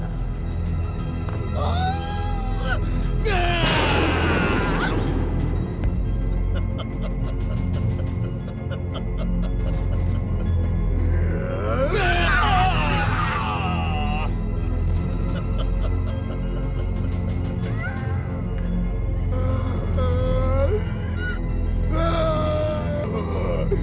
aku sudah bocah sendiri